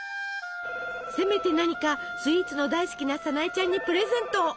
せめて何かスイーツの大好きなさなえちゃんにプレゼントを！